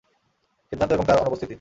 সিদ্ধান্ত এবং তার অনুপস্থিতি।